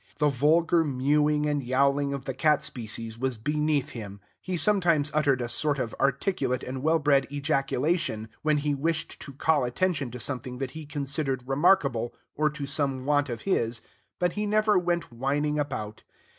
The vulgar mewing and yowling of the cat species was beneath him; he sometimes uttered a sort of articulate and well bred ejaculation, when he wished to call attention to something that he considered remarkable, or to some want of his, but he never went whining about.